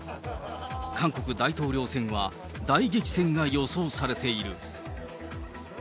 韓国大統領選は大激戦が予想されている。